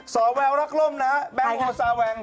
ส่อแววรักล่มนะแบงค์โอสาแหว่ง